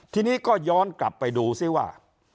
ทีนี้ก็ย้อนกลับไปดูซิว่า